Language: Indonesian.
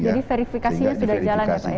jadi verifikasinya sudah jalan ya